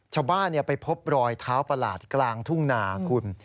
ชาวบ้านไปพบรอยเท้าประหลาดกลางทุ่งนาคุณ